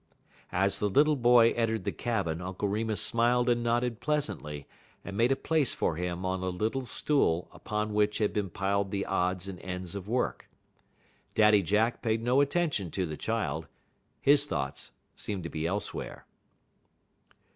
As the little boy entered the cabin Uncle Remus smiled and nodded pleasantly, and made a place for him on a little stool upon which had been piled the odds and ends of work. Daddy Jack paid no attention to the child; his thoughts seemed to be elsewhere.